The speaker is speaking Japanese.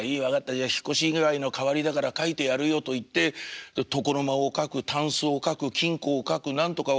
じゃ引っ越し祝の代わりだから描いてやるよ」と言って床の間を描くたんすを描く金庫を描く何とかを描く。